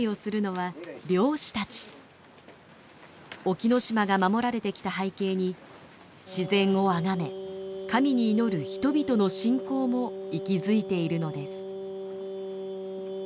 沖ノ島が守られてきた背景に自然を崇め神に祈る人々の信仰も息づいているのです。